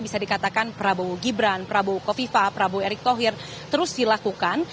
bisa dikatakan prabowo gibran prabowo kofifa prabowo erick thohir terus dilakukan